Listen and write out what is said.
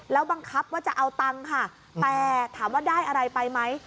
แล้วบังคับว่าจะเอาตังค์ค่ะแต่ถามว่าได้อะไรไปไหม